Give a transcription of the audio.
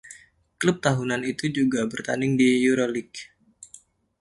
Klub tahunan itu juga bertanding di Euroleague.